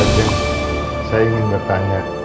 saya ingin bertanya